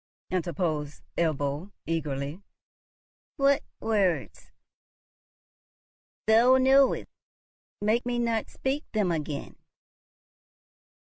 interposed Ebbo, eagerly. "What words?" "Thou knowest. Make me not speak them again."